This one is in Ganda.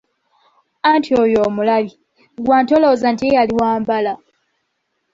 Anti oyo omulabye, ggwe ate olowooza nti ye yali wa mbala?